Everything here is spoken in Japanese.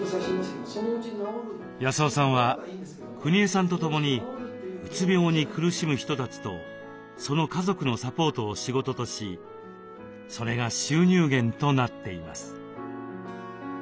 康雄さんはくにえさんと共にうつ病に苦しむ人たちとその家族のサポートを仕事としそれが収入源となっています。